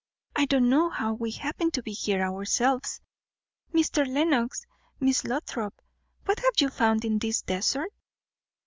I don't know how we happen to be here ourselves. Mr. Lenox, Miss Lothrop. What have you found in this desert?"